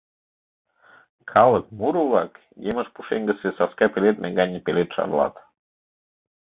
Калык муро-влак емыж пушеҥгысе саска пеледме гане пелед шарлат.